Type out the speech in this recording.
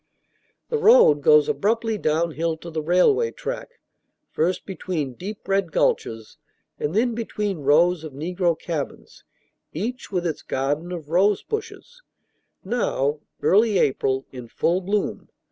The road goes abruptly downhill to the railway track, first between deep red gulches, and then between rows of negro cabins, each with its garden of rosebushes, now (early April) in full bloom.